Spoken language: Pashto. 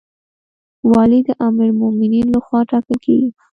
والی د امیرالمؤمنین لخوا ټاکل کیږي